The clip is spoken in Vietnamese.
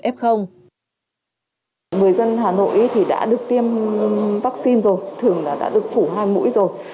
người dân hà nội thì đã được tiêm vaccine rồi thường là đã được phủ hai mũi rồi